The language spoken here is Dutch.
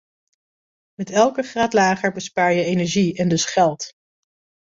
Met elke graad lager bespaar je energie en dus geld.